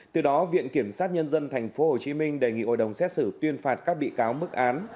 từ đó viện kiểm sát nhân dân tp hcm đề nghị hội đồng xét xử tuyên phạt các bị cáo mức án